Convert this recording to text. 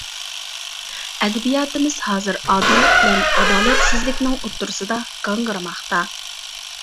ئەدەبىياتىمىز ھازىر ئادىللىق بىلەن ئادالەتسىزلىكنىڭ ئوتتۇرىسىدا گاڭگىرىماقتا.